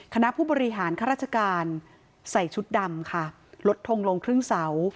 คณะผู้บริหารข้าราชการใส่ชุดดำค่ะลดทงลงครึ่งเสา